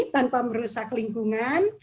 tanpa merusak lingkungan